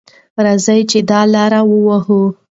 راځئ چې دا لاره ووهو.